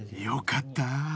よかった！